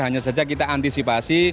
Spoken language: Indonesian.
hanya saja kita antisipasi